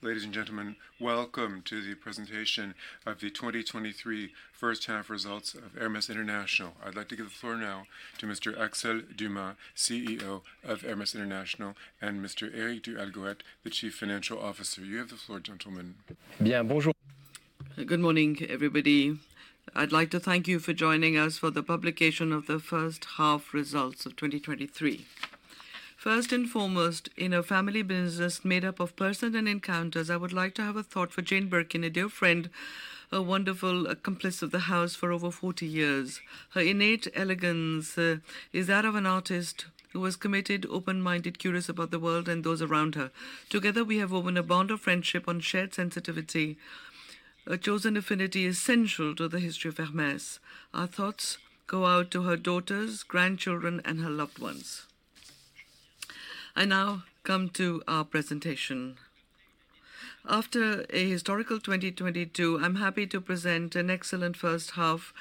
Ladies and gentlemen, welcome to the presentation of the 2023 First Half Results of Hermès International. I'd like to give the floor now to Mr. Axel Dumas, CEO of Hermès International, and Mr. Éric du Halgouët, the Chief Financial Officer. You have the floor, gentlemen. Good morning, everybody. I'd like to thank you for joining us for the publication of the first half results of 2023. First and foremost, in a family business made up of personal encounters, I would like to have a thought for Jane Birkin, a dear friend, a wonderful accomplice of the house for over 40 years. Her innate elegance is that of an artist who was committed, open-minded, curious about the world and those around her. Together, we have woven a bond of friendship on shared sensitivity, a chosen affinity essential to the history of Hermès. Our thoughts go out to her daughters, grandchildren, and her loved ones. I now come to our presentation. After a historical 2022, I'm happy to present an excellent first half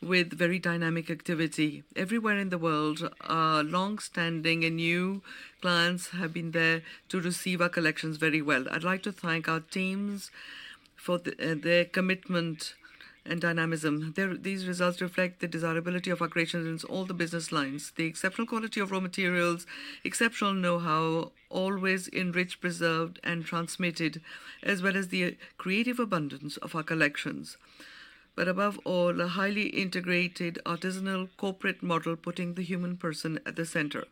with very dynamic activity. Everywhere in the world, our long-standing and new clients have been there to receive our collections very well. I'd like to thank our teams for their commitment and dynamism. These results reflect the desirability of our creations in all the business lines, the exceptional quality of raw materials, exceptional know-how, always enriched, preserved, and transmitted, as well as the creative abundance of our collections, above all, a highly integrated artisanal corporate model, putting the human person at the center.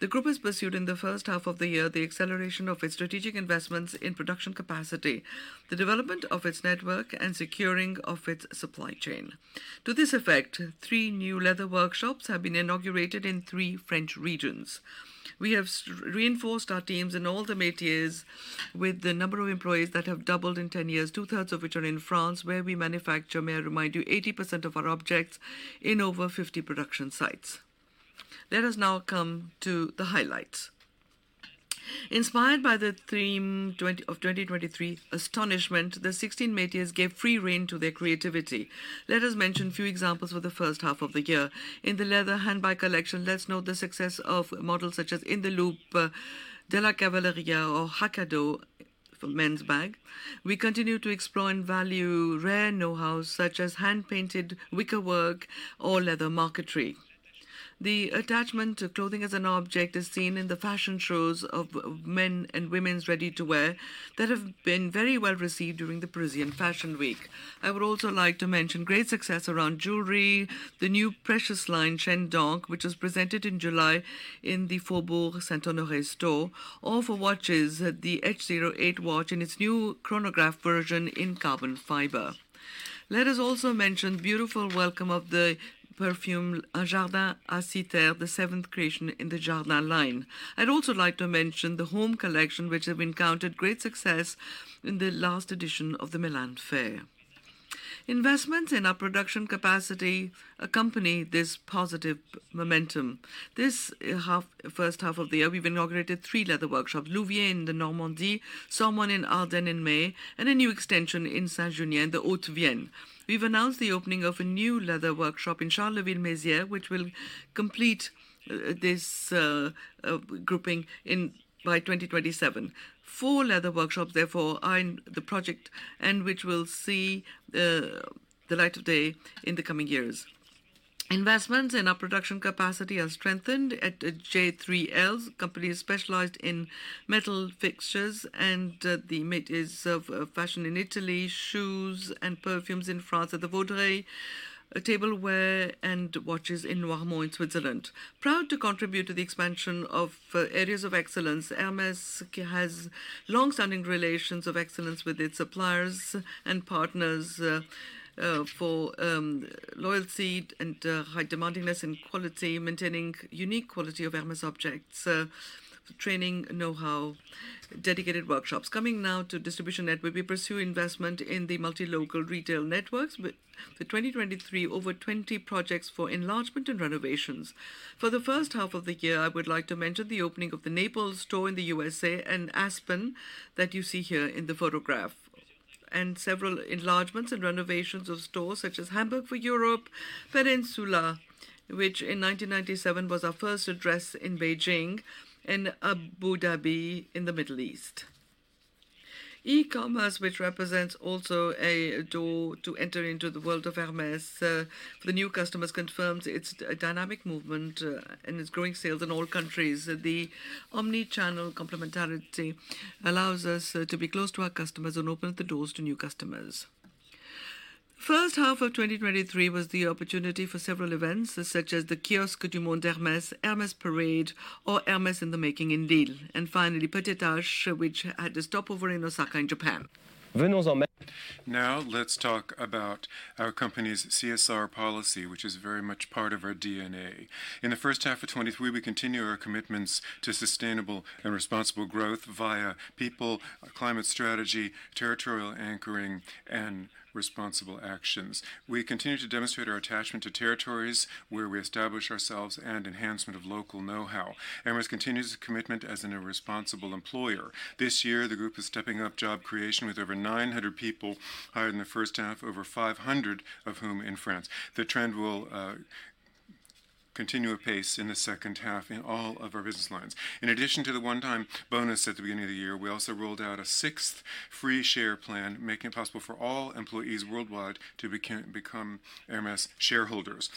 The group has pursued, in the first half of the year, the acceleration of its strategic investments in production capacity, the development of its network, and securing of its supply chain. To this effect, three new leather workshops have been inaugurated in three French regions. We have reinforced our teams in all the métiers, with the number of employees that have doubled in 10 years, 2/3 of which are in France, where we manufacture, may I remind you, 80% of our objects in over 50 production sites. Let us now come to the highlights. Inspired by the theme 20 of 2023, Astonishment, the 16 métiers gave free rein to their creativity. Let us mention a few examples for the first half of the year. In the leather handbag collection, let's note the success of models such as In the Loop, Della Cavalleria, or HAC à Dos for men's bag. We continue to explore and value rare know-hows, such as hand-painted wickerwork or leather marquetry. The attachment to clothing as an object is seen in the fashion shows of men and women's ready-to-wear that have been very well received during the Paris Fashion Week. I would also like to mention great success around jewelry, the new precious line, Chaîne d'Ancre, which was presented in July in the Faubourg Saint-Honoré store, or for watches, the H08 watch in its new chronograph version in carbon fiber. Let us also mention beautiful welcome of the perfume Jardin à Cythère, the seventh creation in the Jardin line. I'd also like to mention the home collection, which has encountered great success in the last edition of the Milan Design Week. Investments in our production capacity accompany this positive momentum. This first half of the year, we've inaugurated three leather workshops: Louviers in the Normandie, Sormonne in Ardennes in May, and a new extension in Saint-Junien, the Haute-Vienne. We've announced the opening of a new leather workshop in Charleville-Mézières, which will complete this grouping in by 2027. Four leather workshops, therefore, are in the project, and which will see the light of day in the coming years. Investments in our production capacity are strengthened at J3L. Company is specialized in metal fixtures and the métiers of fashion in Italy, shoes and perfumes in France at Le Vaudreuil, tableware and watches in La Chaux-de-Fonds, in Switzerland. Proud to contribute to the expansion of areas of excellence, Hermès has long-standing relations of excellence with its suppliers and partners for loyalty and high demandingness in quality, maintaining unique quality of Hermès objects, training, know-how, dedicated workshops. Coming now to the distribution network, we pursue investment in the multi-local retail networks, with the 2023 over 20 projects for enlargement and renovations. For the first half of the year, I would like to mention the opening of the Naples store in the USA and Aspen, that you see here in the photograph, and several enlargements and renovations of stores such as Hamburg for Europe, Peninsula, which in 1997 was our first address in Beijing, and Abu Dhabi in the Middle East. E-commerce, which represents also a door to enter into the world of Hermès, the new customers confirms its dynamic movement and its growing sales in all countries. The omni-channel complementarity allows us to be close to our customers and open the doors to new customers. First half of 2023 was the opportunity for several events, such as the Kiosque du Monde d'Hermès, Hermès Parade, or Hermès in the Making in Lille, and finally, petit h, which had a stopover in Osaka, in Japan. Let's talk about our company's CSR policy, which is very much part of our DNA. In the first half of 2023, we continue our commitments to sustainable and responsible growth via people, climate strategy, territorial anchoring, and responsible actions. We continue to demonstrate our attachment to territories where we establish ourselves and enhancement of local know-how. Hermès continues its commitment as an responsible employer. This year, the group is stepping up job creation with over 900 people hired in the first half, over 500 of whom in France. The trend will continue apace in the second half in all of our business lines. In addition to the one-time bonus at the beginning of the year, we also rolled out a sixth free share plan, making it possible for all employees worldwide to become Hermès shareholders.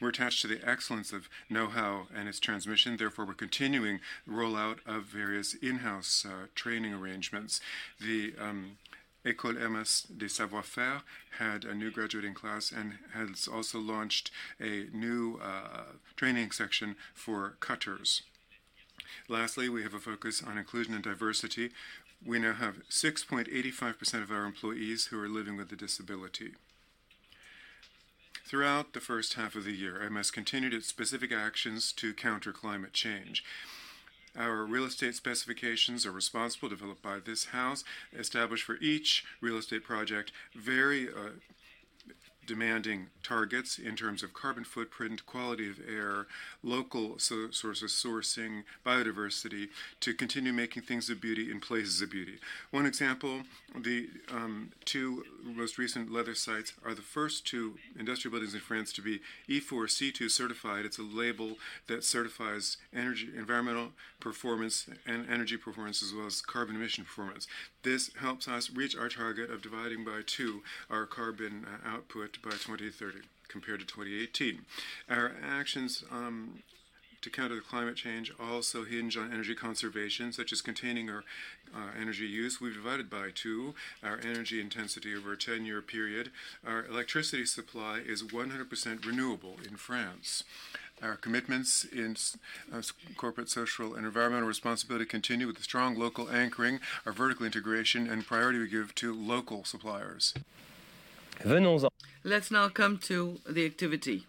We're attached to the excellence of know-how and its transmission; therefore, we're continuing the rollout of various in-house training arrangements. The École Hermès des Savoir-Faire had a new graduating class and has also launched a new training section for cutters. Lastly, we have a focus on inclusion and diversity. We now have 6.85% of our employees who are living with a disability. Throughout the first half of the year, Hermès continued its specific actions to counter climate change. Our real estate specifications are responsible, developed by this house, established for each real estate project, very demanding targets in terms of carbon footprint, quality of air, local sourcing, biodiversity to continue making things of beauty in places of beauty. One example: the two most recent leather sites are the first two industrial buildings in France to be E4C2 certified. It's a label that certifies energy environmental performance and energy performance, as well as carbon emission performance. This helps us reach our target of dividing by two our carbon output by 2030 compared to 2018. Our actions to counter the climate change also hinge on energy conservation, such as containing our energy use. We've divided by two our energy intensity over a 10-year period. Our electricity supply is 100% renewable in France. Our commitments in corporate, social, and environmental responsibility continue with the strong local anchoring, our vertical integration, and the priority we give to local suppliers. Let's now come to the activity.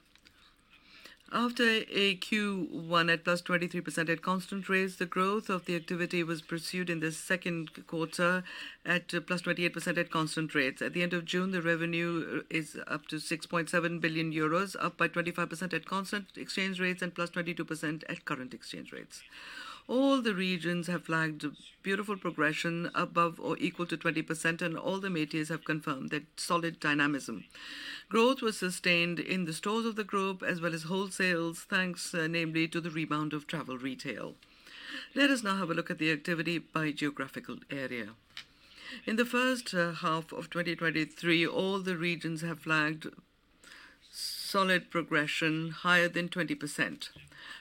After a Q1 at +23% at constant rates, the growth of the activity was pursued in the second quarter at +28% at constant rates. At the end of June, the revenue is up to 6.7 billion euros, up by 25% at constant exchange rates and +22% at current exchange rates. All the regions have flagged beautiful progression above or equal to 20%, and all the métiers have confirmed that solid dynamism. Growth was sustained in the stores of the group as well as wholesales, thanks, namely, to the rebound of travel retail. Let us now have a look at the activity by geographical area. In the first half of 2023, all the regions have flagged solid progression higher than 20%.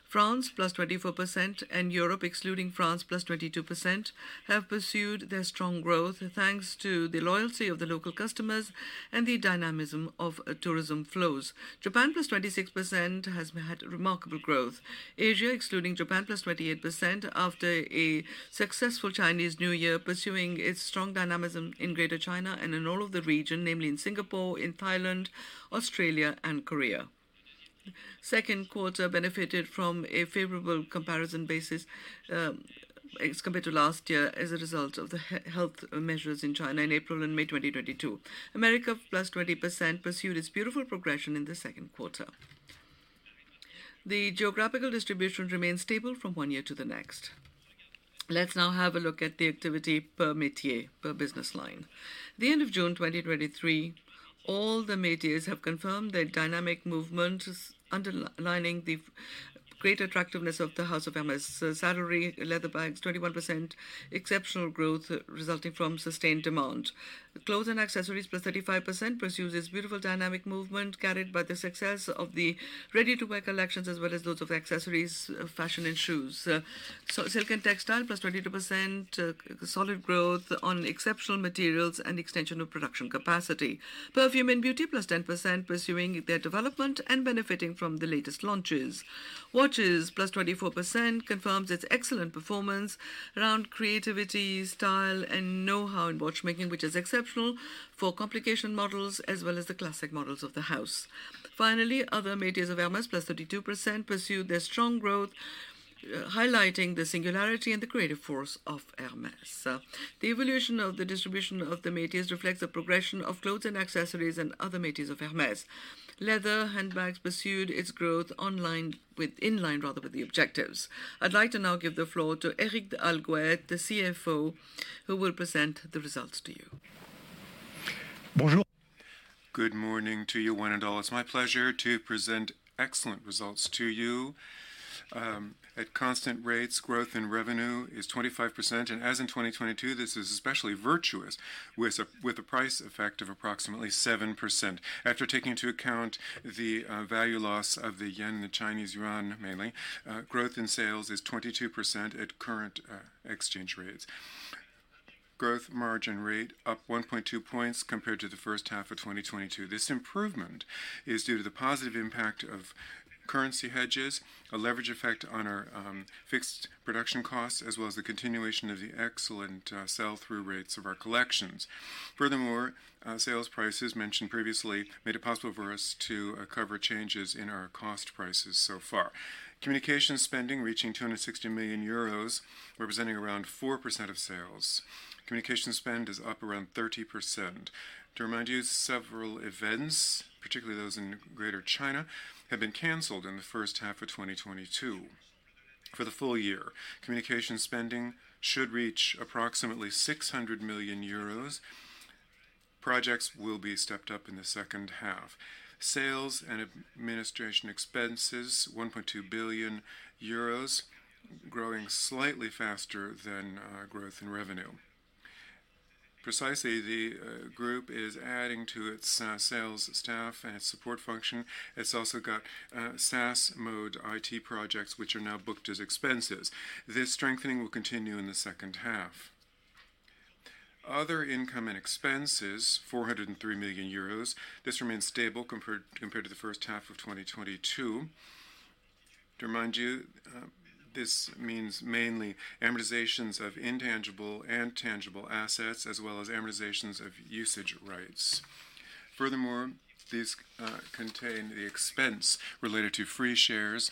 France, +24%, and Europe, excluding France, +22%, have pursued their strong growth, thanks to the loyalty of the local customers and the dynamism of tourism flows. Japan, +26%, has had remarkable growth. Asia, excluding Japan, +28%, after a successful Chinese New Year, pursuing its strong dynamism in Greater China and in all of the region, namely in Singapore, in Thailand, Australia, and Korea. Second quarter benefited from a favorable comparison basis as compared to last year, as a result of the health measures in China in April and May 2022. America, +20%, pursued its beautiful progression in the second quarter. The geographical distribution remains stable from on year to the next. Let's now have a look at the activity per métier, per business line. The end of June 2023, all the métiers had confirmed their dynamic movement, is underlining the great attractiveness of the House of Hermès. Saddlery, leather bags, 21%, exceptional growth resulting from sustained demand. Clothes and accessories, +35%, pursues this beautiful dynamic movement carried by the success of the ready-to-wear collections, as well as those of accessories, fashion, and shoes. Silk and textile, +22%, solid growth on exceptional materials and extension of production capacity. Perfume and beauty, +10%, pursuing their development and benefiting from the latest launches. Watches, +24%, confirm its excellent performance around creativity, style, and know-how in watchmaking, which is exceptional for complication models, as well as the classic models of the house. Finally, other métiers of Hermès, +32%, pursued their strong growth, highlighting the singularity and the creative force of Hermès. The evolution of the distribution of the métiers reflects the progression of clothes and accessories and other métiers of Hermès. Leather handbags pursued its growth online, in line, rather, with the objectives. I'd like to now give the floor to Eric du Halgouet, the CFO, who will present the results to you. Good morning to you one and all. It's my pleasure to present excellent results to you. At constant rates, growth in revenue is 25%, and as in 2022, this is especially virtuous, with a price effect of approximately 7%. After taking into account the value loss of the yen and the Chinese Yuan, mainly, growth in sales is 22% at current exchange rates. Growth margin rate up 1.2 points compared to the first half of 2022. This improvement is due to the positive impact of currency hedges, a leverage effect on our fixed production costs, as well as the continuation of the excellent sell-through rates of our collections. Sales prices mentioned previously made it possible for us to cover changes in our cost prices so far. Communication spending reaching 260 million euros, representing around 4% of sales. Communication spend is up around 30%. To remind you, several events, particularly those in Greater China, have been canceled in the first half of 2022. For the full year, communication spending should reach approximately 600 million euros. Projects will be stepped up in the second half. Sales and administration expenses, 1.2 billion euros, growing slightly faster than growth in revenue. Precisely, the group is adding to its sales staff and its support function. It's also got SaaS mode IT projects, which are now booked as expenses. This strengthening will continue in the second half. Other income and expenses, 403 million euros. This remains stable compared to the first half of 2022. To remind you, this means mainly amortizations of intangible and tangible assets, as well as amortizations of usage rights. Furthermore, these contain the expense related to free shares,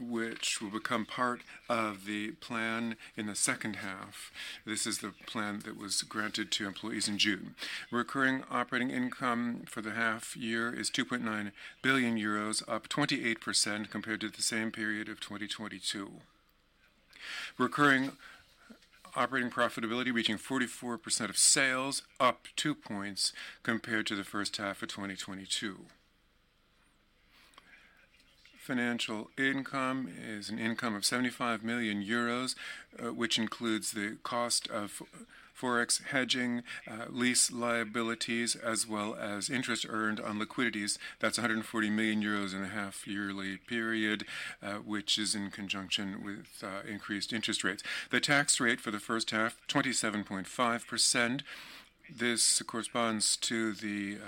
which will become part of the plan in the second half. This is the plan that was granted to employees in June. Recurring operating income for the half year is 2.9 billion euros, up 28% compared to the same period of 2022. Recurring operating profitability reaching 44% of sales, up two points compared to the first half of 2022. Financial income is an income of 75 million euros, which includes the cost of Forex hedging, lease liabilities, as well as interest earned on liquidities. That's 140 million euros in a half-yearly period, which is in conjunction with increased interest rates. The tax rate for the first half, 27.5%. This corresponds to the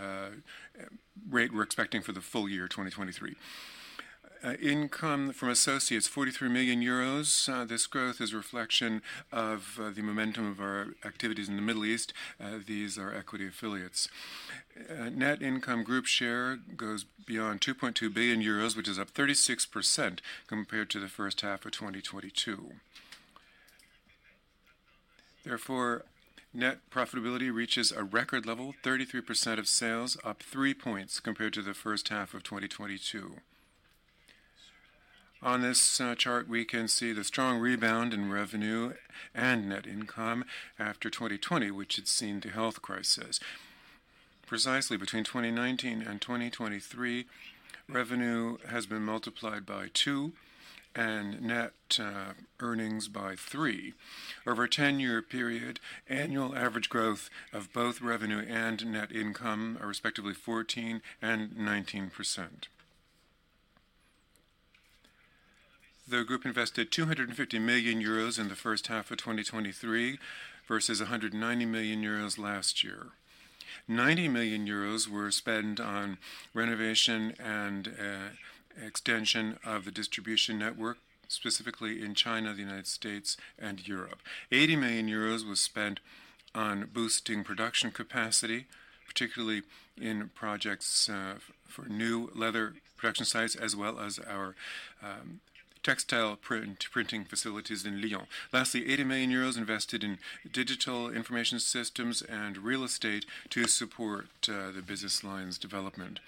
rate we're expecting for the full year 2023. Income from associates, 43 million euros. This growth is a reflection of the momentum of our activities in the Middle East. These are equity affiliates. Net income group share goes beyond 2.2 billion euros, which is up 36% compared to the first half of 2022. Therefore, net profitability reaches a record level, 33% of sales, up three points compared to the first half of 2022. On this chart, we can see the strong rebound in revenue and net income after 2020, which had seen the health crisis. Precisely between 2019 and 2023, revenue has been multiplied by two and net earnings by three. Over a 10-year period, annual average growth of both revenue and net income are respectively 14% and 19%. The group invested 250 million euros in the first half of 2023 versus 190 million euros last year. 90 million euros were spent on renovation and extension of the distribution network, specifically in China, the United States, and Europe. 80 million euros was spent on boosting production capacity, particularly in projects for new leather production sites, as well as our textile printing facilities in Lyon. Lastly, 80 million euros invested in digital information systems and real estate to support the business line's development.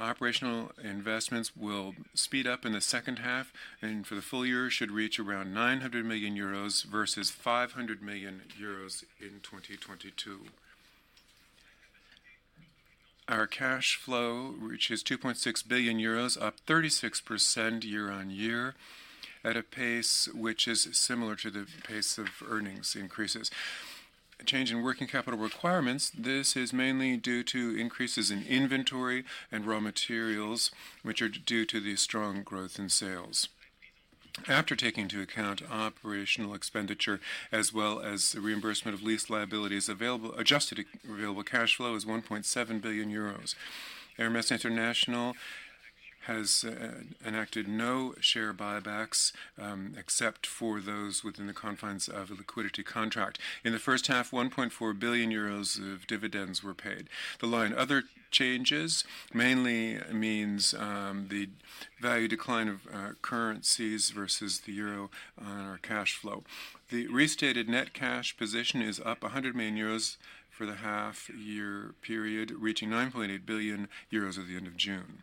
Operational investments will speed up in the second half, and for the full year, should reach around 900 million euros versus 500 million euros in 2022. Our cash flow, which is 2.6 billion euros, up 36% year on year, at a pace which is similar to the pace of earnings increases. Change in working capital requirements: this is mainly due to increases in inventory and raw materials, which are due to the strong growth in sales. After taking into account operational expenditure, as well as the reimbursement of lease liabilities, adjusted available cash flow is 1.7 billion euros. Hermès International has enacted no share buybacks, except for those within the confines of a liquidity contract. In the first half, 1.4 billion euros of dividends were paid. The line, other changes, mainly means the value decline of currencies versus the euro on our cash flow. The restated net cash position is up 100 million euros for the half-year period, reaching 9.8 billion euros at the end of June.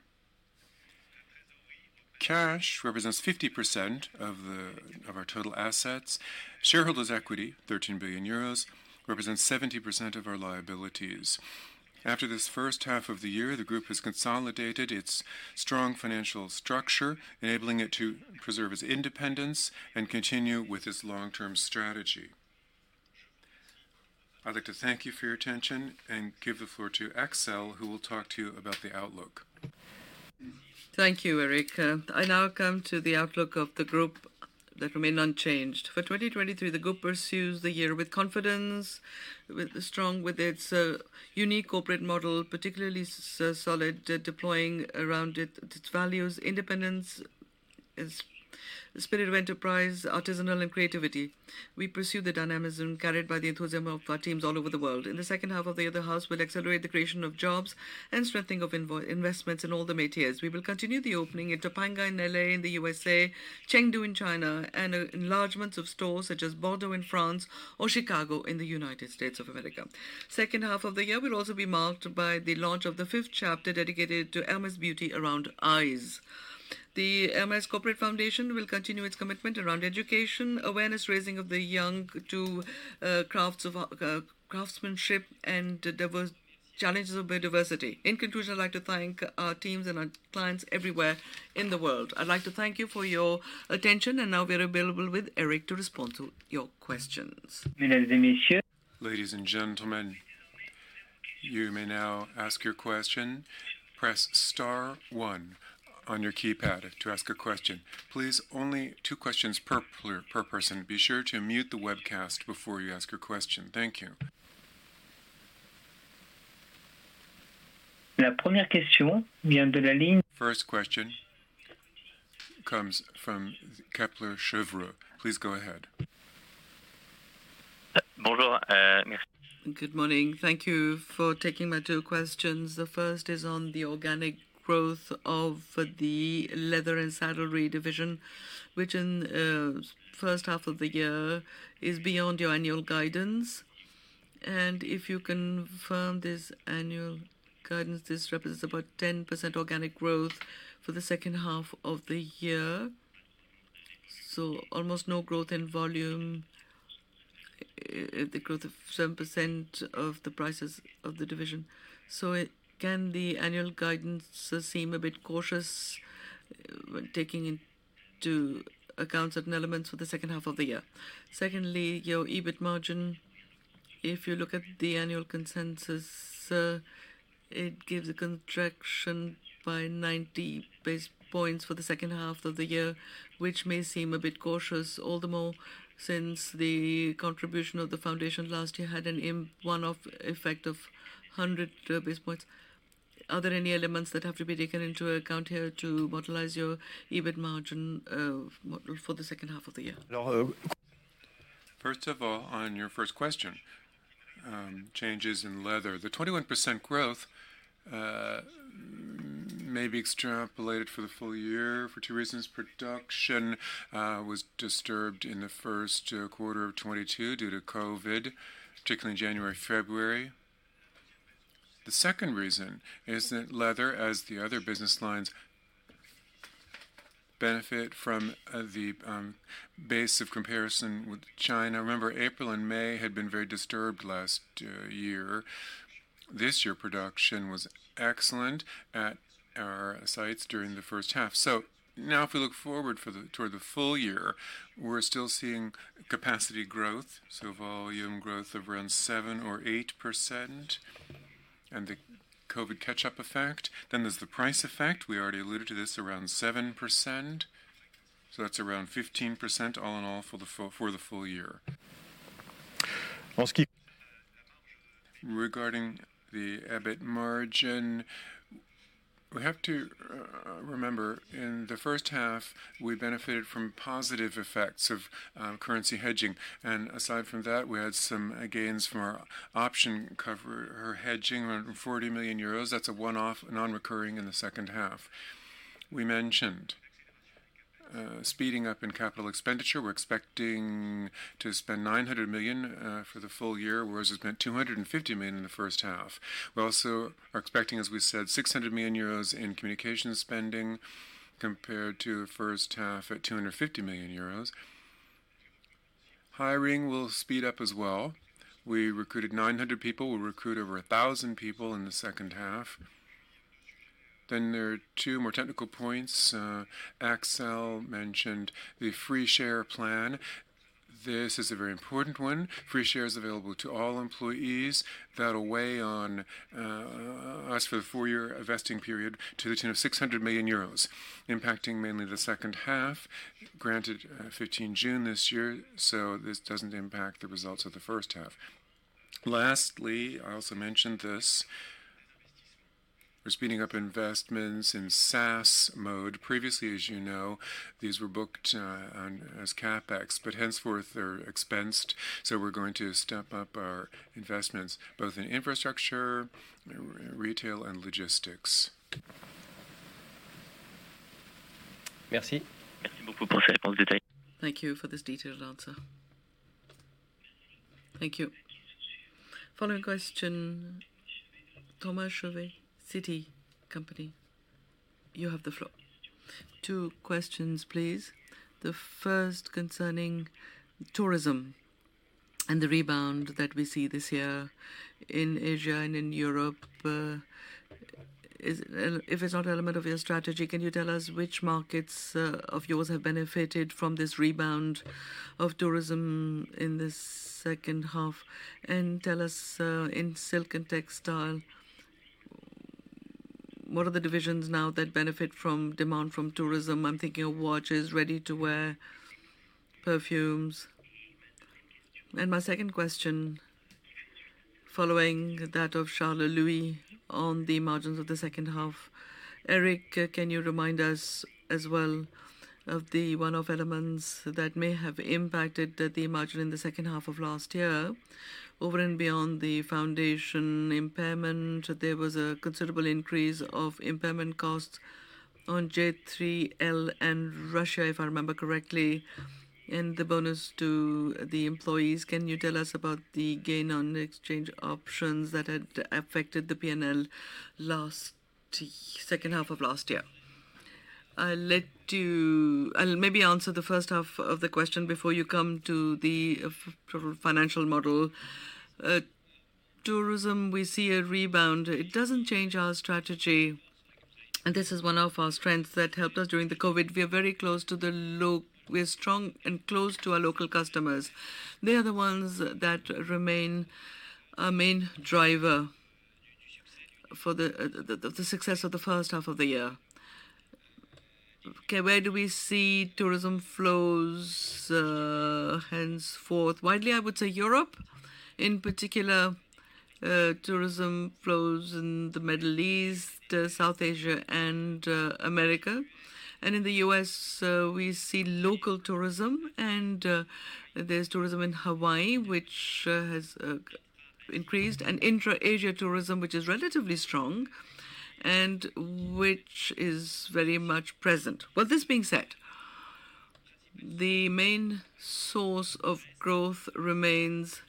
Cash represents 50% of our total assets. Shareholders' equity, 13 billion euros, represents 70% of our liabilities. After this first half of the year, the group has consolidated its strong financial structure, enabling it to preserve its independence and continue with its long-term strategy. I'd like to thank you for your attention and give the floor to Axelle, who will talk to you about the outlook. Thank you, Eric. I now come to the outlook of the group that remained unchanged. For 2023, the group pursues the year with confidence, with strong with its unique corporate model, particularly solid, deploying around it its values, independence, its spirit of enterprise, artisanal, and creativity. We pursue the dynamism carried by the enthusiasm of our teams all over the world. In the second half of the other house, we'll accelerate the creation of jobs and strengthening of investments in all the métiers. We will continue the opening in Topanga, in L.A., in the U.S.A., Chengdu in China, and enlargements of stores such as Bordeaux in France or Chicago in the United States of America. Second half of the year will also be marked by the launch of the fifth chapter, dedicated to Hermès Beauty around eyes. The Hermès Corporate Foundation will continue its commitment around education, awareness raising of the young to crafts of craftsmanship, and there was challenges of biodiversity. In conclusion, I'd like to thank our teams and our clients everywhere in the world. I'd like to thank you for your attention. Now we are available with Eric to respond to your questions. Ladies and gentlemen. Ladies and gentlemen, you may now ask your question. Press star 1 on your keypad to ask a question. Please, only two questions per person. Be sure to mute the webcast before you ask your question. Thank you. First question comes from Kepler Cheuvreux. Please go ahead. Good morning. Thank you for taking my two questions. The first is on the organic growth of the leather and saddlery division, which in first half of the year is beyond your annual guidance. If you can confirm this annual guidance, this represents about 10% organic growth for the second half of the year. Almost no growth in volume, the growth of 7% of the prices of the division. Can the annual guidance seem a bit cautious when taking into account certain elements for the second half of the year? Secondly, your EBIT margin, if you look at the annual consensus, it gives a contraction by 90 basis points for the second half of the year, which may seem a bit cautious, all the more since the contribution of the foundation last year had a one-off effect of 100 basis points. Are there any elements that have to be taken into account here to modelize your EBIT margin model for the second half of the year? First of all, on your first question, changes in leather. The 21% growth may be extrapolated for the full year for two reasons: production was disturbed in the first quarter of 2022 due to COVID, particularly in January, and February. The second reason is that leather, as the other business lines, benefit from the base of comparison with China. Remember, April and May had been very disturbed last year. This year, production was excellent at our sites during the first half. Now if we look forward toward the full year, we're still seeing capacity growth, so volume growth of around 7% or 8%, and the COVID catch-up effect. There's the price effect. We already alluded to this, around 7%. That's around 15% all in all for the full year. Regarding the EBIT margin, we have to remember, in the first half, we benefited from the positive effects of currency hedging. Aside from that, we had some gains from our option cover or hedging of around 40 million euros. That's a one-off, non-recurring in the second half. We mentioned speeding up in capital expenditure. We're expecting to spend 900 million for the full year, whereas we spent 250 million in the first half. We are also expecting, as we said, 600 million euros in communication spending compared to the first half at 250 million euros. Hiring will speed up as well. We recruited 900 people. We'll recruit over 1,000 people in the second half. There are two more technical points. Axel mentioned the free share plan. This is a very important one. Free share is available to all employees. That'll weigh on us for the four-year vesting period to the tune of 600 million euros, impacting mainly the second half, granted 15 June this year, so this doesn't impact the results of the first half. Lastly, I also mentioned this: we're speeding up investments in SaaS mode. Previously, as you know, these were booked as CapEx, but henceforth, they're expensed. We're going to step up our investments, both in infrastructure, retail, and logistics. Merci. Thank you for this detailed answer. Thank you. Following question, Thomas Chauvet, Citi company, you have the floor. Two questions, please. The first concerning tourism and the rebound that we see this year in Asia and in Europe. Is... If it's not an element of your strategy, can you tell us which markets of yours have benefited from this rebound of tourism in this H2? Tell us, in silk and textile, what are the divisions now that benefit from demand from tourism? I'm thinking of watches, ready-to-wear, perfumes. My second question, following that of Charles Louis on the margins of the H2. Eric, can you remind us as well of the one-off elements that may have impacted the margin in the H2 of last year? Over and beyond the foundation impairment, there was a considerable increase of impairment costs on J3L and Russia, if I remember correctly, and the bonus to the employees. Can you tell us about the gain on exchange options that had affected the PNL last second half of last year? I'll maybe answer the first half of the question before you come to the financial model. Tourism, we see a rebound. It doesn't change our strategy; this is one of our strengths that helped us during the COVID. We are very close to the We're strong and close to our local customers. They are the ones that remain our main driver for the, the success of the first half of the year. Okay, where do we see tourism flows henceforth? Widely, I would say Europe, in particular, tourism flows in the Middle East, South Asia, and America. In the U.S., we see local tourism, and there's tourism in Hawaii, which has increased, and intra-Asia tourism, which is relatively strong and which is very much present. Well, this being said, the main source of growth remains,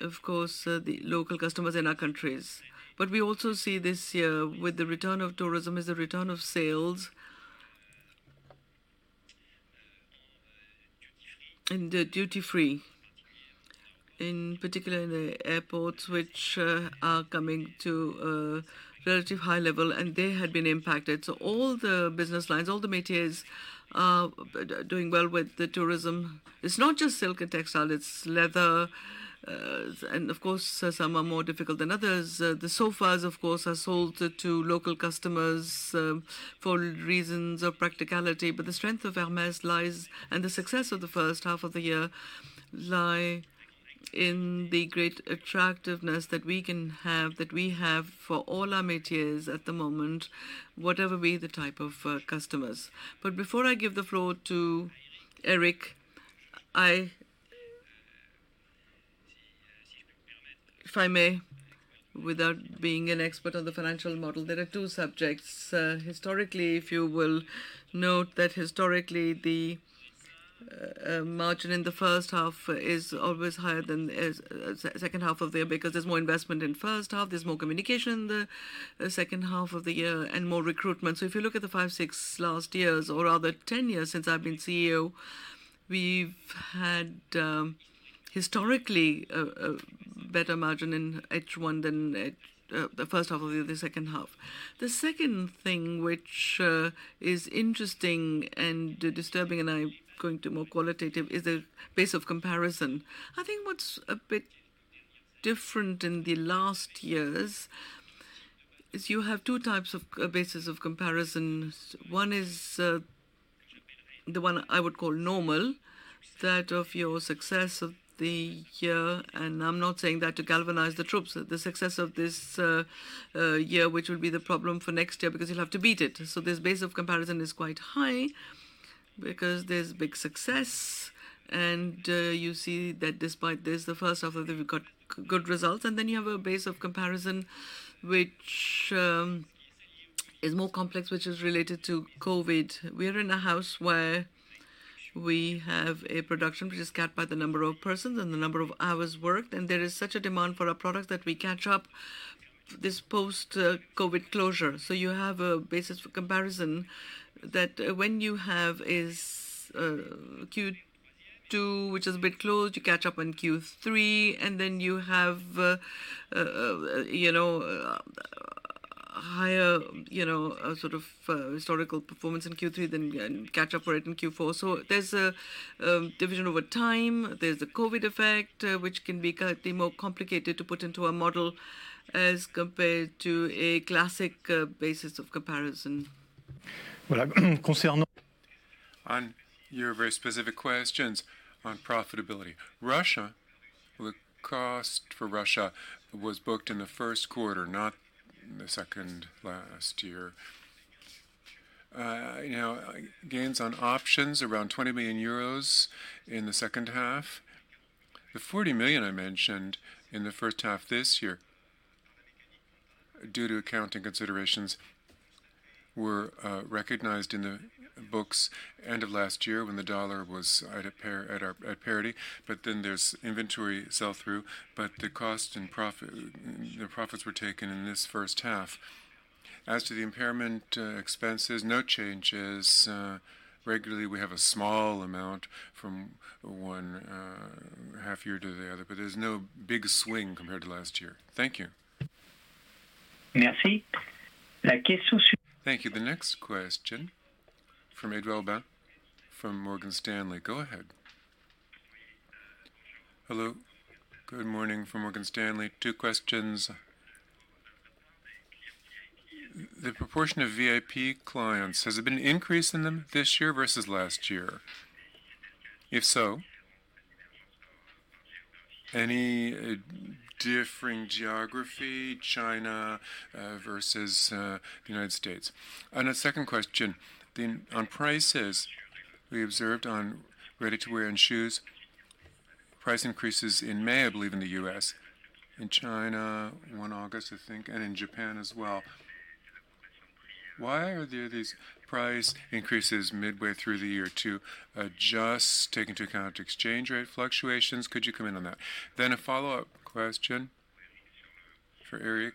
of course, the local customers in our countries. We also see this year, with the return of tourism, is the return of sales in the duty-free, in particular in the airports, which are coming to a relatively high level, and they had been impacted. All the business lines, all the métiers, are doing well with the tourism. It's not just silk and textile; it's leather, and of course, some are more difficult than others. The sofas, of course, are sold to, to local customers for reasons of practicality. The strength of Hermès lies, and the success of the first half of the year, lie in the great attractiveness that we can have, that we have for all our métiers at the moment, whatever be the type of customers. Before I give the floor to Eric, if I may, without being an expert on the financial model, there are two subjects. Historically, if you will note that historically, the margin in the first half is always higher than is second half of the year because there's more investment in the first half, there's more communication in the second half of the year, and more recruitment. If you look at the five, six last years, or rather 10 years since I've been CEO, we've had historically, a better margin in H1 than the first half of the second half. The second thing, which is interesting and disturbing, and I'm going to be more qualitative, is the base of comparison. I think what's a bit different in the last years, is you have two types of bases of comparisons. One is the one I would call normal, that of your success of the year, and I'm not saying that to galvanize the troops. The success of this year, which will be the problem for next year, because you'll have to beat it. This base of comparison is quite high because there's big success. You see that despite this, the first half of the year we got good results. You have a base of comparison, which is more complex, which is related to COVID. We're in a house where we have a production, which is capped by the number of persons and the number of hours worked, and there is such a demand for our product that we catch up this post-COVID closure. You have a basis for comparison that when you have is Q2, which is a bit closed, you catch up on Q3, and then you have, you know, higher, you know, sort of historical performance in Q3, then catch up for it in Q4. There's a division over time. There's a COVID effect, which can be slightly more complicated to put into a model as compared to a classic basis of comparison. On your very specific questions on profitability. Russia: The cost for Russia was booked in the first quarter, not in the second last year. You know, gains on options, around 20 million euros in the second half. The 40 million I mentioned in the first half of this year, due to accounting considerations, were recognized in the books end of last year when the dollar was at parity, but then there's inventory sell-through, but the cost and profit, the profits were taken in this first half. As to the impairment expenses, no changes. Regularly, we have a small amount from one half year to the other, but there's no big swing compared to last year. Thank you. Merci. Thank you. The next question from Edouard Aubin, from Morgan Stanley. Go ahead. Hello, good morning from Morgan Stanley. Two questions. The proportion of VIP clients, has there been an increase in them this year versus last year? If so, any differing geography, China, versus the United States? A second question the on prices, we observed on ready-to-wear and shoes, price increases in May, I believe, in the U.S., in China, 1 August, I think, and in Japan as well. Why are there these price increases midway through the year to adjust, take into account exchange rate fluctuations? Could you comment on that? A follow-up question. For Eric,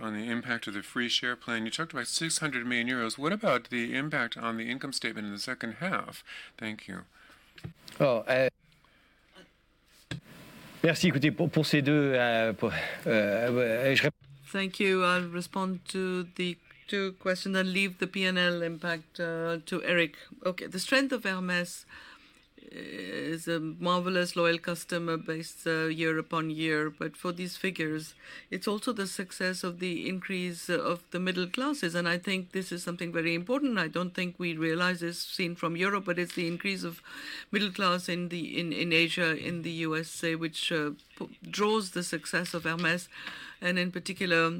on the impact of the free share plan. You talked about 600 million euros. What about the impact on the income statement in the second half? Thank you. Oh, Thank you. I'll respond to the two question; leave the P&L impact to Eric. Okay, the strength of Hermès is a marvelous, loyal customer base year upon year. For these figures, it's also the success of the increase of the middle classes, and I think this is something very important. I don't think we realize this; seen from Europe, it's the increase of middle class in the, in, in Asia, in the USA, which draws the success of Hermès, and in particular,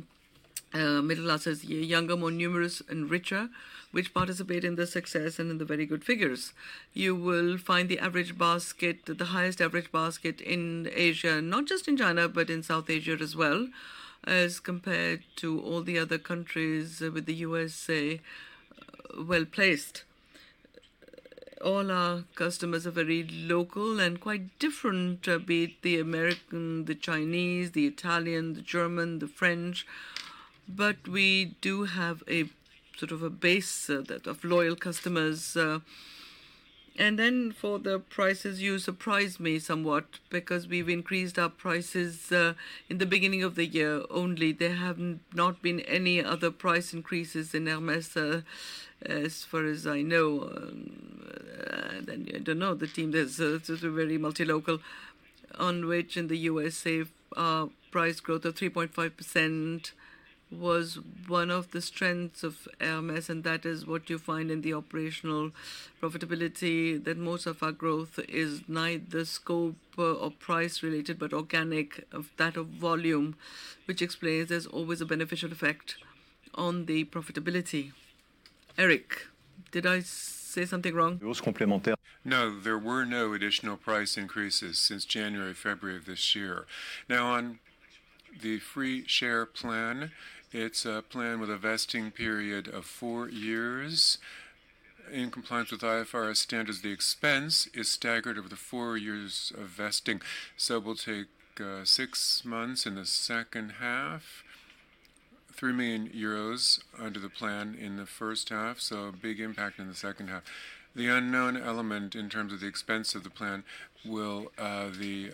middle classes, younger, more numerous, and richer, which participate in the success and in the very good figures. You will find the average basket, the highest average basket in Asia, not just in China, but in South Asia as well, as compared to all the other countries, with the USA well-placed. All our customers are very local and quite different, be it the American, the Chinese, the Italian, the German, the French, but we do have a sort of a base, that of loyal customers. For the prices, you surprised me somewhat, because we've increased our prices in the beginning of the year only. There have not been any other price increases in Hermès as far as I know. I don't know; the team is very multi-local, on which in the U.S.A., price growth of 3.5% was one of the strengths of Hermès, and that is what you find in the operational profitability, that most of our growth is neither scope or price related, but organic of that, of volume, which explains there's always a beneficial effect on the profitability. Eric, did I say something wrong? No, there were no additional price increases since January, February of this year. On the free share plan, it's a plan with a vesting period of four years. In compliance with IFRS standards, the expense is staggered over the four years of vesting. We'll take six months in the second half, 3 million euros under the plan in the first half, so a big impact in the second half. The unknown element in terms of the expense of the plan, will the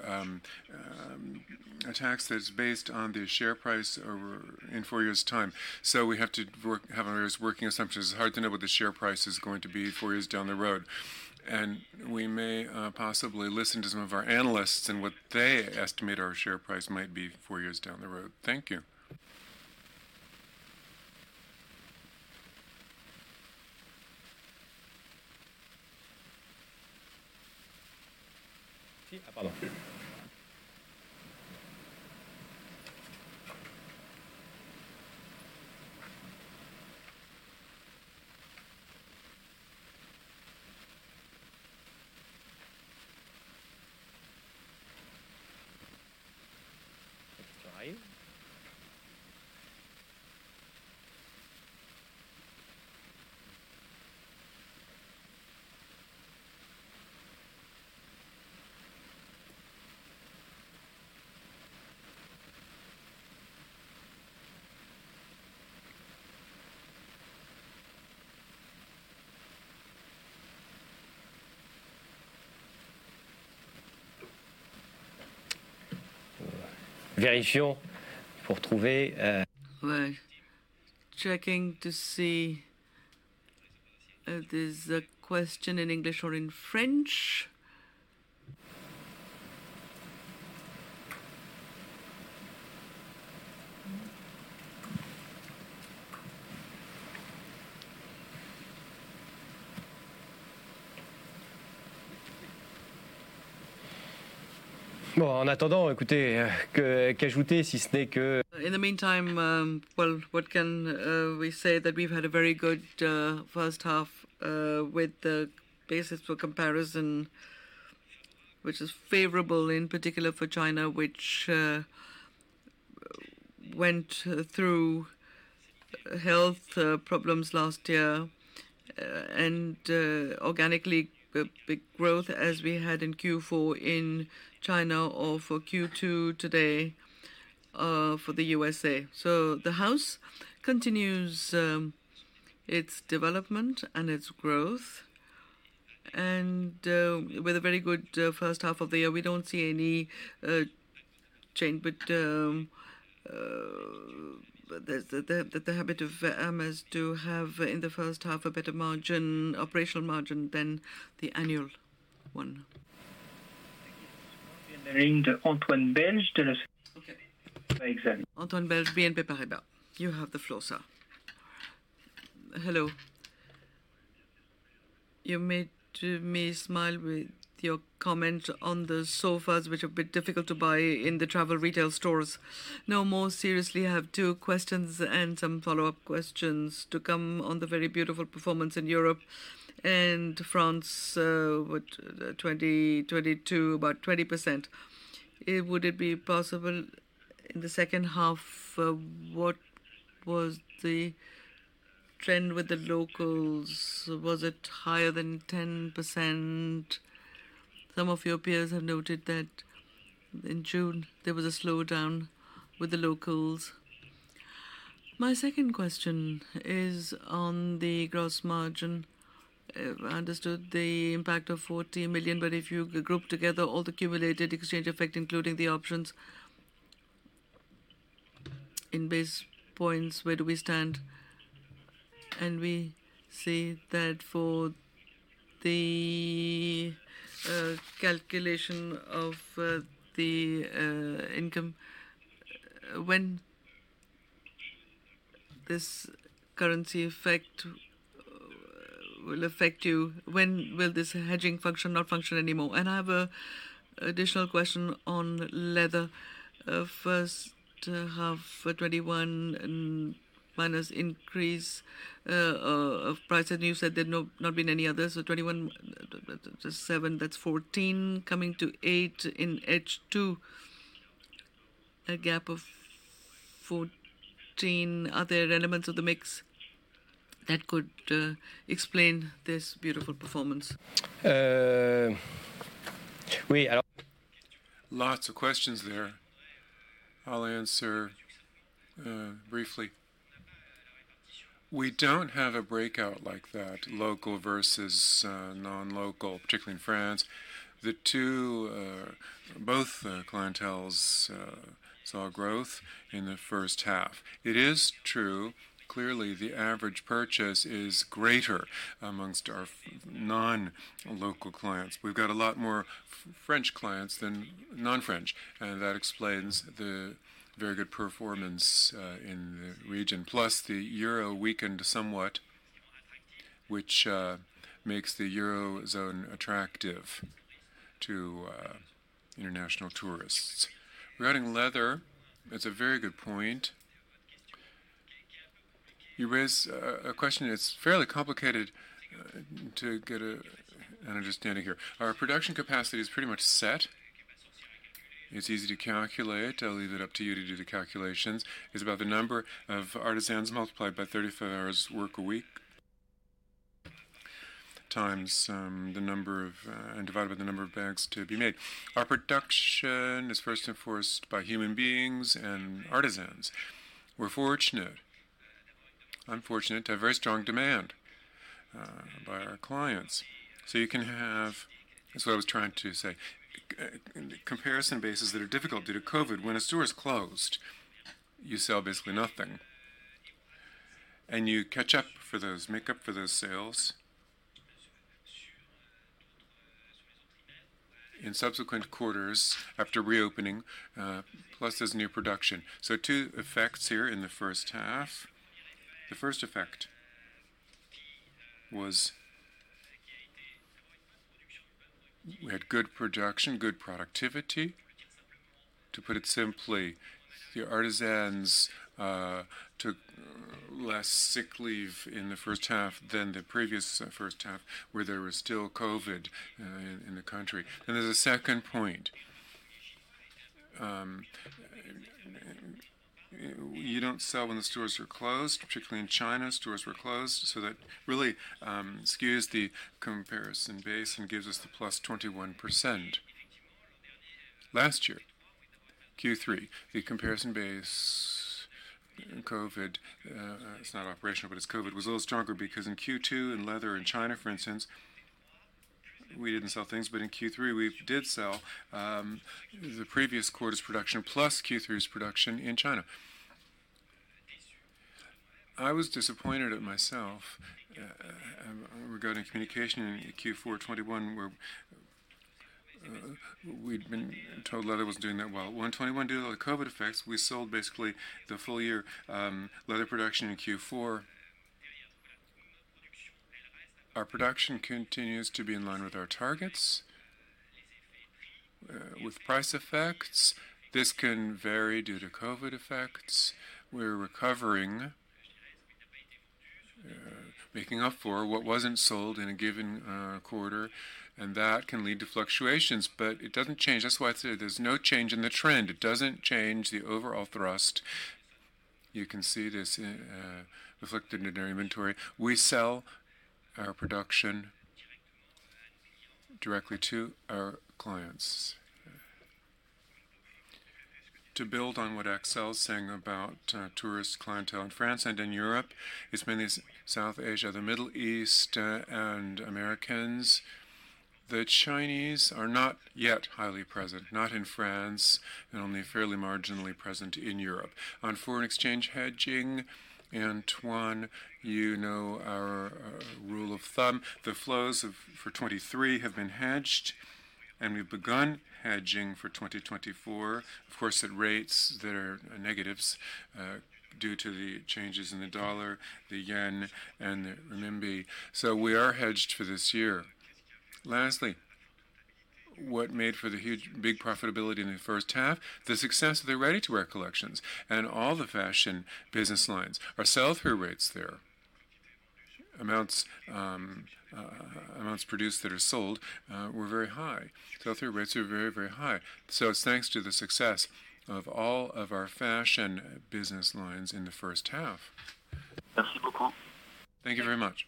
a tax that's based on the share price over in 4 years' time. We have to work, have various working assumptions. It's hard to know what the share price is going to be four years down the road. We may, possibly listen to some of our analysts and what they estimate our share price might be four years down the road. Thank you. We're checking to see if there's a question in English or in French. In the meantime, well, what can we say that we've had a very good first half, with the basis for comparison, which is favorable, in particular for China, which went through health problems last year. Organically, a big growth as we had in Q4 in China or for Q2 today, for the U.S.A. The house continues its development and its growth, and with a very good first half of the year, we don't see any change. There's the habit of Hermès to have, in the first half, a better margin, operational margin, than the annual one. Thank you. Antoine Belge. Okay. Antoine Belge, BNP Paribas. You have the floor, sir. Hello. You made me smile with your comment on the sofas, which are a bit difficult to buy in the travel retail stores. Now, more seriously, I have two questions and some follow-up questions to come on the very beautiful performance in Europe and France. What, 2022, about 20%. Would it be possible in the second half, what was the trend with the locals, was it higher than 10%? Some of your peers have noted that in June, there was a slowdown with the locals. My second question is on the gross margin. I understood the impact of 40 million, but if you group together all the cumulated exchange effects, including the options, in base points, where do we stand? We see that for the calculation of the income, when this currency effect will affect you, when will this hedging function not function anymore? I have an additional question on leather. First half, 21 and minus increase of price, and you said there'd not been any other, so 21 plus 7, that's 14, coming to 8 in H2. A gap of 14. Are there elements of the mix that could explain this beautiful performance? Uh, we- Lots of questions there. I'll answer briefly. We don't have a breakout like that, local versus non-local, particularly in France. The two... Both clienteles saw growth in the first half. It is true, clearly, the average purchase is greater amongst our non-local clients. We've got a lot more French clients than non-French, and that explains the very good performance in the region. Plus, the euro weakened somewhat, which makes the Eurozone attractive to international tourists. Regarding leather, that's a very good point. You raise a question that's fairly complicated to get an understanding here. Our production capacity is pretty much set. It's easy to calculate. I'll leave it up to you to do the calculations. It's about the number of artisans multiplied by 35 hours of work a week, times the number of... Divided by the number of bags to be made. Our production is first and foremost by human beings and artisans. We're fortunate, unfortunate, to have very strong demand, by our clients. You can have, that's what I was trying to say, comparison bases that are difficult due to COVID. When a store is closed, you sell basically nothing, and you catch up for those, make up for those sales in subsequent quarters after reopening, plus there's new production. Two effects here in the first half. The first effect was, we had good production, good productivity. To put it simply, the artisans took less sick leave in the first half than the previous first half, where there was still COVID in the country. There's a second point. You don't sell when the stores are closed, particularly in China. Stores were closed, so that really skews the comparison base and gives us the +21%. Last year, Q3, the comparison base, COVID, it's not operational, but as COVID was a little stronger, because in Q2, in leather in China, for instance, we didn't sell things, but in Q3, we did sell the previous quarter's production plus Q3's production in China. I was disappointed at myself regarding communication in Q4 2021, where we'd been told leather was doing that well. Well, in 2021, due to the COVID effects, we sold basically the full year leather production in Q4. Our production continues to be in line with our targets. With price effects, this can vary due to COVID effects. We're recovering, making up for what wasn't sold in a given quarter, and that can lead to fluctuations, but it doesn't change. That's why I said there's no change in the trend. It doesn't change the overall thrust. You can see this reflected in our inventory. We sell our production directly to our clients. To build on what Axel's saying about tourist clientele in France and in Europe, it's mainly South Asia, the Middle East, and Americans. The Chinese are not yet highly present, not in France, and only fairly marginally present in Europe. On foreign exchange hedging, Antoine, you know our rule of thumb. The flows of, for 2023 have been hedged, and we've begun hedging for 2024. Of course, at rates that are negatives due to the changes in the dollar, the yen, and the renminbi. We are hedged for this year. Lastly, what made for the huge, big profitability in the first half? The success of the ready-to-wear collections and all the fashion business lines. Amounts produced that are sold were very high. Sell-through rates were very, very high. It's thanks to the success of all of our fashion business lines in the first half. Merci beaucoup. Thank you very much.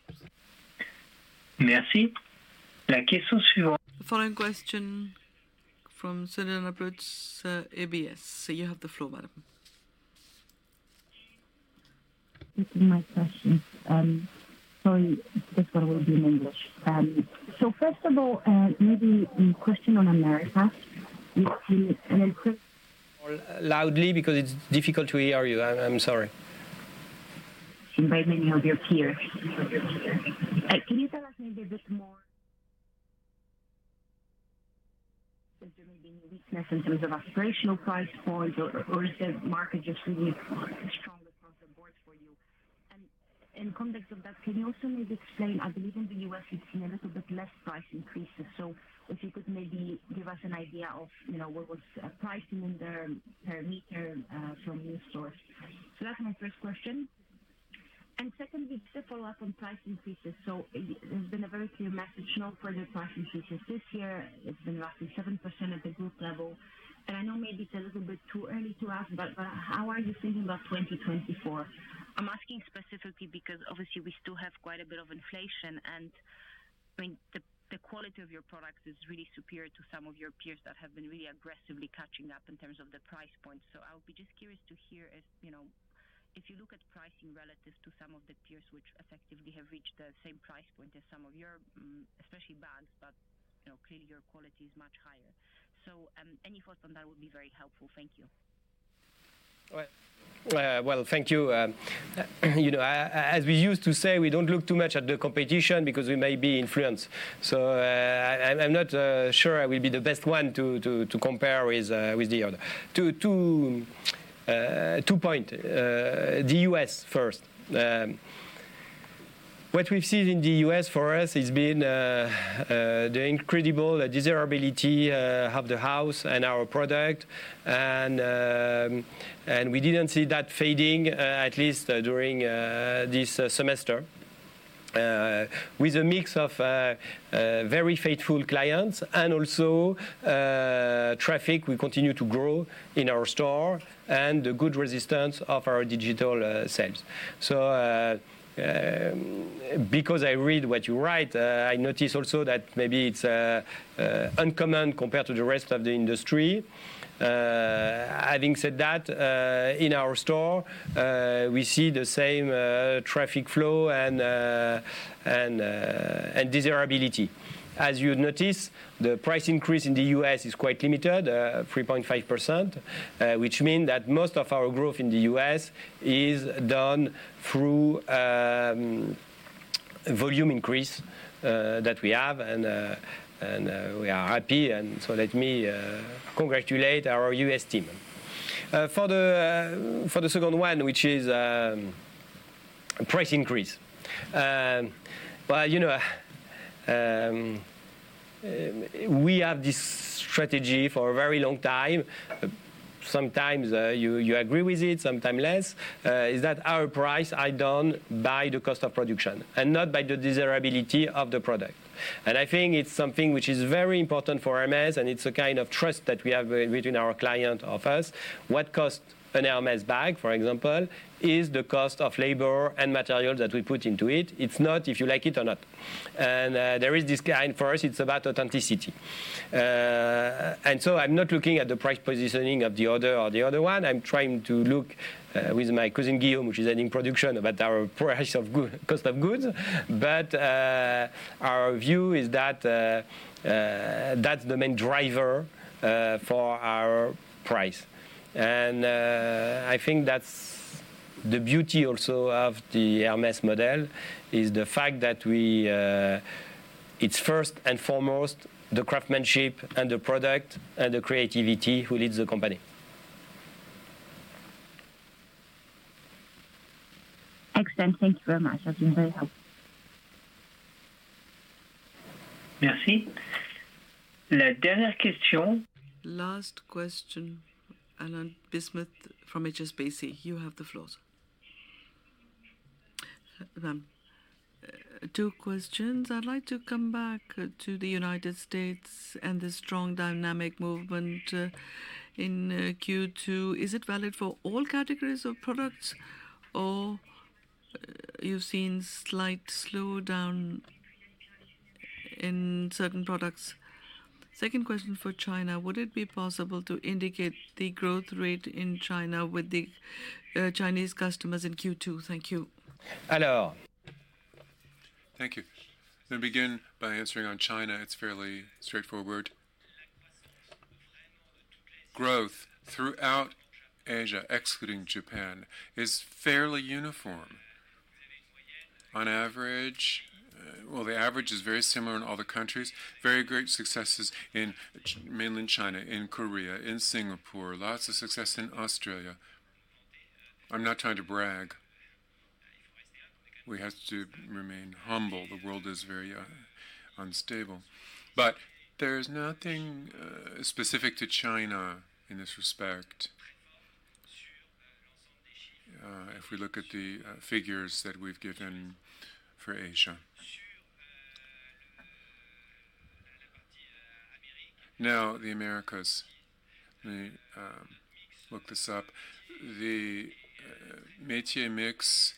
Merci. The question follow- The following question is from Zuzanna Pusz, UBS. You have the floor, madam. This is my question. Sorry, this one will be in English. First of all, maybe a question on America, which is, and then quick- More loudly because it's difficult to hear you. I, I'm sorry. In spite of many of your peers. Can you tell us maybe a bit more? Is there maybe any weakness in terms of aspirational price points, or is the market just really strong across the board for you? In the context of that, can you also maybe explain, I believe in the U.S., we've seen a little bit less price increases, so if you could maybe give us an idea of, you know, what was pricing in there per meter from your stores? That's my first question. Secondly, just to follow up on price increases. There's been a very clear message: no further price increases. This year, it's been roughly 7% at the group level. I know maybe it's a little bit too early to ask, but how are you thinking about 2024? I'm asking specifically because, obviously we still have quite a bit of inflation, and, I mean, the, the quality of your products is really superior to some of your peers that have been really aggressively catching up in terms of the price point. I would be just curious to hear, as you know, if you look at pricing relative to some of the peers, which effectively have reached the same price point as some of your, especially bags, but, you know, clearly your quality is much higher. Any thoughts on that would be very helpful. Thank you. Well, well, thank you. You know, as we used to say, we don't look too much at the competition because we may be influenced. I'm, I'm not sure I will be the best one to, to, to compare with the other. Two, two, two point: the U.S. first. What we've seen in the U.S. for us has been the incredible desirability of the house and our product, and we didn't see that fading, at least during this semester. With a mix of very faithful clients and also traffic, we continue to grow in our store and the good resistance of our digital sales. Because I read what you write, I notice also that maybe it's uncommon compared to the rest of the industry. Having said that, in our store, we see the same traffic flow and and desirability. As you notice, the price increase in the U.S. is quite limited, 3.5%, which mean that most of our growth in the U.S. is done through volume increase that we have, and we are happy. Let me congratulate our U.S. team. For the for the second one, which is price increase. Well, you know, we have this strategy for a very long time. Sometimes you, you agree with it, sometimes less. Is that our prices are done by the cost of production and not by the desirability of the product. I think it's something which is very important for Hermès, and it's a kind of trust that we have between our client of us. What costs an Hermès bag, for example, is the cost of labor and material that we put into it. It's not if you like it or not. There is this guide for us; it's about authenticity. I'm not looking at the price positioning of the other or the other one. I'm trying to look, with my cousin Guillaume, which is heading production, about our cost of goods. Our view is that that's the main driver for our price. I think that's the beauty also of the Hermès model, is the fact that we. It's first and foremost, the craftsmanship, and the product, and the creativity who leads the company. Excellent. Thank you very much. That's been very helpful. Merci. La dernière question. Last question, Erwan Rambourg from HSBC. You have the floor, sir. Ma'am, two questions. I'd like to come back to the United States and the strong dynamic movement in Q2. Is it valid for all categories of products, or you've seen slight slowdown in certain products? Second question for China: Would it be possible to indicate the growth rate in China with the Chinese customers in Q2? Thank you. Hello. Thank you. Let me begin by answering on China. It's fairly straightforward. Growth throughout Asia, excluding Japan, is fairly uniform. On average, well, the average is very similar in all the countries. Very great successes in mainland China, in Korea, in Singapore. Lots of success in Australia. I'm not trying to brag. We have to remain humble. The world is very unstable. There's nothing specific to China in this respect. If we look at the figures that we've given for Asia. The Americas. Let me look this up. The métier mix,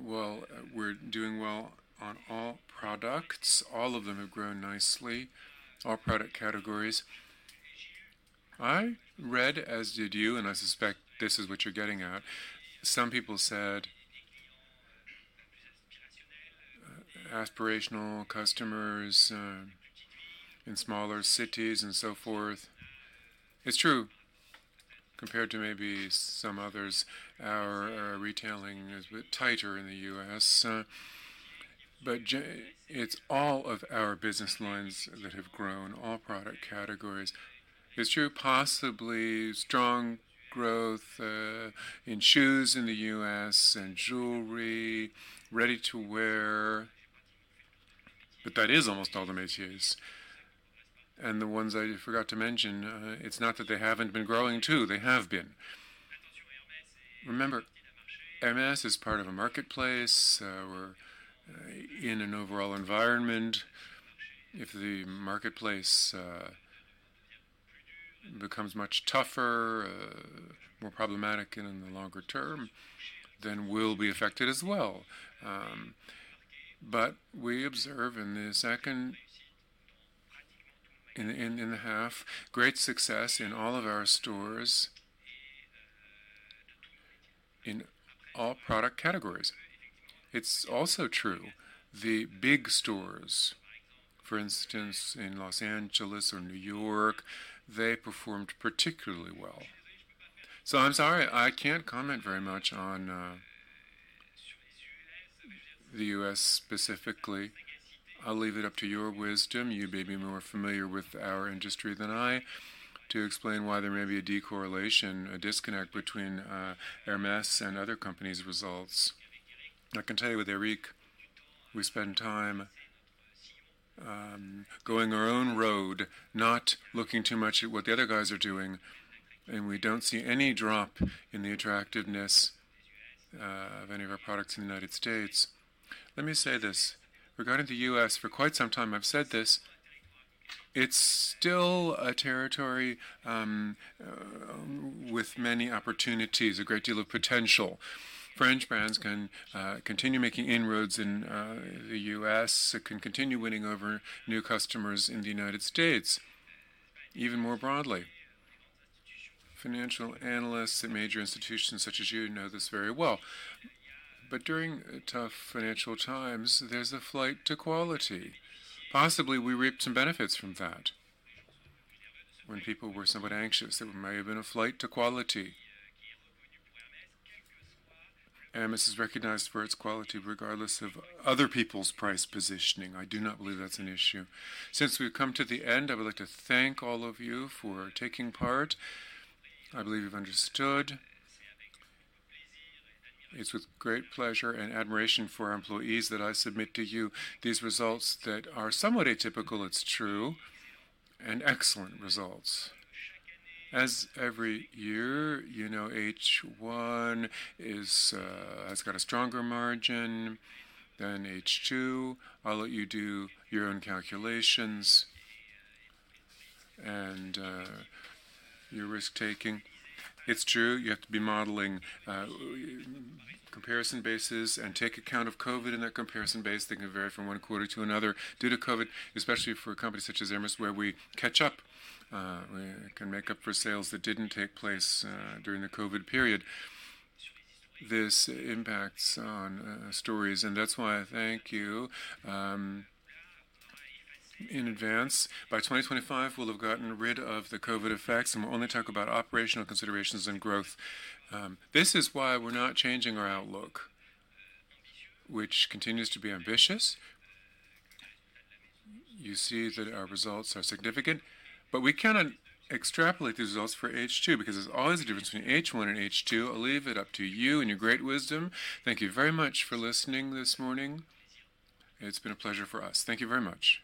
well, we're doing well on all products. All of them have grown nicely, all product categories. I read, as did you, and I suspect this is what you're getting at: some people said, Aspirational customers in smaller cities and so forth. It's true. Compared to maybe some others, our, our retailing is a bit tighter in the U.S., but it's all of our business lines that have grown, all product categories. It's true, possibly strong growth in shoes in the U.S. and jewelry, ready-to-wear, but that is almost all the métiers. The ones I forgot to mention, it's not that they haven't been growing, too. They have been. Remember, Hermès is part of a marketplace. We're in an overall environment. If the marketplace becomes much tougher, more problematic in the longer term, then we'll be affected as well. We observe in the second, in, in the half, great success in all of our stores in all product categories. It's also true, the big stores, for instance, in Los Angeles or New York, they performed particularly well. I'm sorry, I can't comment very much on the U.S. specifically. I'll leave it up to your wisdom. You may be more familiar with our industry than I, to explain why there may be a decorrelation, a disconnect between Hermès and other companies' results. I can tell you, with Eric, we spend time going our own road, not looking too much at what the other guys are doing, and we don't see any drop in the attractiveness of any of our products in the United States. Let me say this, regarding the U.S., for quite some time I've said this: it's still a territory with many opportunities, a great deal of potential. French brands can continue making inroads in the U.S., it can continue winning over new customers in the United States, even more broadly. Financial analysts and major institutions, such as you, know this very well. During tough financial times, there's a flight to quality. Possibly, we reaped some benefits from that. When people were somewhat anxious, there may have been a flight to quality. Hermès is recognized for its quality, regardless of other people's price positioning. I do not believe that's an issue. Since we've come to the end, I would like to thank all of you for taking part. I believe you've understood. It's with great pleasure and admiration for our employees that I submit to you these results that are somewhat atypical, it's true, and excellent results. As every year, you know, H1 is has got a stronger margin than H2. I'll let you do your own calculations and your risk-taking. It's true, you have to be modeling comparison bases and take account of COVID in that comparison base. They can vary from one quarter to another due to COVID, especially for a company such as Hermès, where we catch up. We can make up for sales that didn't take place during the COVID period. This impacts on stories, and that's why I thank you in advance. By 2025, we'll have gotten rid of the COVID effects, and we'll only talk about operational considerations and growth. This is why we're not changing our outlook, which continues to be ambitious. You see that our results are significant; we cannot extrapolate the results for H2, because there's always a difference between H1 and H2. I'll leave it up to you and your great wisdom. Thank you very much for listening this morning. It's been a pleasure for us. Thank you very much!